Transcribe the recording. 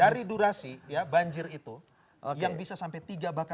dari durasi ya banjir itu yang bisa sampai tiga bahkan